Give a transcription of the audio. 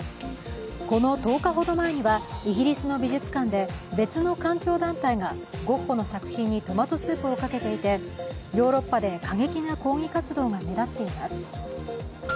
この１０日ほど前にはイギリスの美術館で別の環境団体がゴッホの作品にトマトスープをかけていてヨーロッパで過激な抗議活動が目立っています。